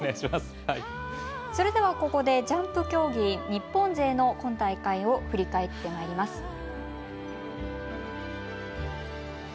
それでは、ここでジャンプ競技日本勢今大会を振り返ってまいります。